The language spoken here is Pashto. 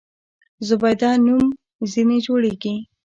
زبیده نوم ځنې جوړېږي.